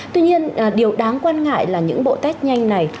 tuy nhiên điều đáng quan ngại là những bộ test nhanh này